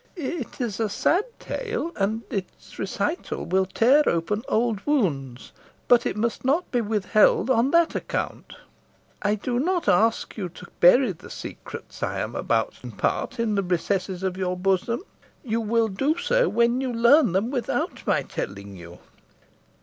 "It is a sad tale, and its recital will tear open old wounds, but it must not be withheld on that account. I do not ask you to bury the secrets I am about to impart in the recesses of your bosom. You will do so when you learn them, without my telling you.